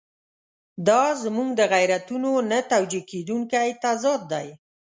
دا زموږ د غیرتونو نه توجیه کېدونکی تضاد دی.